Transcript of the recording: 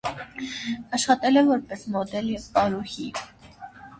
Աշխատել է որպես մոդել և պարուհի։